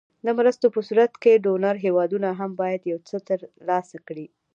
د مرستو په صورت کې ډونر هېوادونه هم باید یو څه تر لاسه کړي.